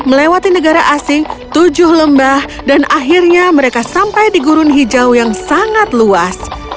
melewati negara asing tujuh lembah dan akhirnya mereka sampai di gurun hijau yang sangat luas